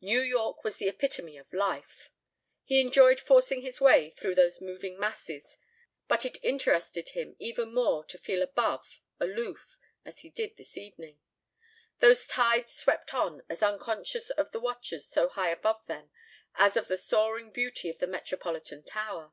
New York was the epitome of life. He enjoyed forcing his way through those moving masses, but it interested him even more to feel above, aloof, as he did this evening. Those tides swept on as unconscious of the watchers so high above them as of the soaring beauty of the Metropolitan Tower.